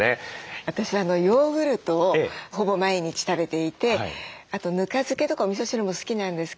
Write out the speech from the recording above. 私はヨーグルトをほぼ毎日食べていてあとぬか漬けとかおみそ汁も好きなんですけど